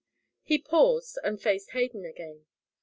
He paused, and faced Hayden again.